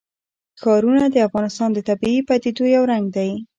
ښارونه د افغانستان د طبیعي پدیدو یو رنګ دی.